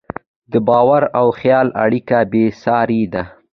د باور او خیال اړیکه بېساري ده.